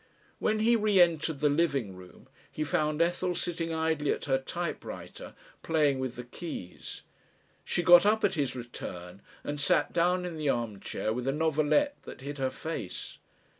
When he re entered the living room he found Ethel sitting idly at her typewriter, playing with the keys. She got up at his return and sat down in the armchair with a novelette that hid her face.